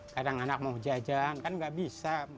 kadang anak mau jajan kan nggak bisa